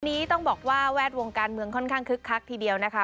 นี้ต้องบอกว่าแวดวงการเมืองค่อนข้างคึกคักทีเดียวนะคะ